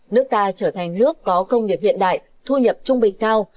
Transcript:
nước ta trở thành nước có công nghiệp hiện đại thu nhập trung bình cao